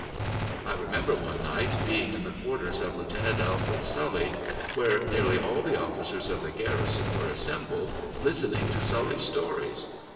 I remember one night being in the quarters of Lieutenant Alfred Sully, where nearly all the officers of the garrison were assembled, listening to Sully's stories.